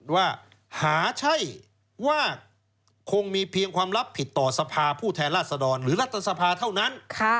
ว่าหาใช่ว่าคงมีเพียงความลับผิดต่อสภาผู้แทนราชดรหรือรัฐสภาเท่านั้น